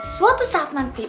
suatu saat nanti